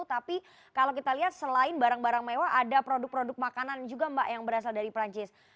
tapi kalau kita lihat selain barang barang mewah ada produk produk makanan juga mbak yang berasal dari perancis